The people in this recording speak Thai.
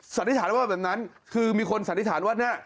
สันนิษฐานว่าแบบนั้นคือมีคนสันนิษฐานว่าเนี่ย